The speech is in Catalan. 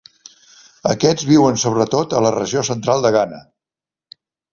Aquests viuen sobretot a la regió Central de Ghana.